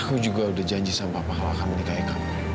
aku juga udah janji sama papa kalau akan menikah dengan kamu